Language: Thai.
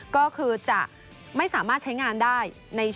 ก็คือจะไม่สามารถใช้งานได้